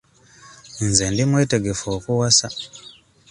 Nze ndi mwetegefu okuwasa.